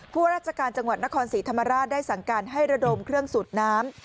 ผู้ราชการจังหวัดนครศรีธรรมราชได้สั่งการให้ระดมเครื่องสูบน้ำ